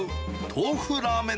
豆腐ラーメン。